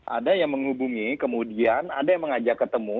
ada yang menghubungi kemudian ada yang mengajak ketemu